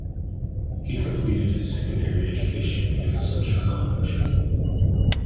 He completed his secondary education in Assumption College.